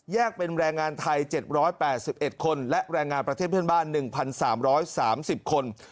เป็นแรงงานไทย๗๘๑คนและแรงงานประเทศเพื่อนบ้าน๑๓๓๐คน